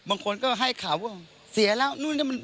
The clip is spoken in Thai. บางคนก็ให้เขาเสียแล้ว